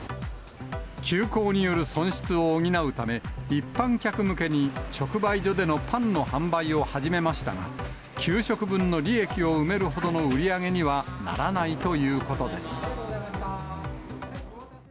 休校による損失を補うため、一般客向けに直売所でのパンの販売を始めましたが、給食分の利益を埋めるほどの売り上げにはならないということです。